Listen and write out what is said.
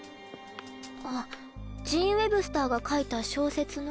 あっジーン・ウェブスターが書いた小説の？